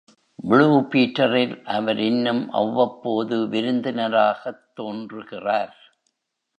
”Blue பீட்டரில்” அவர் இன்னும் அவ்வப்போது விருந்தினராகத் தோன்றுகிறார்.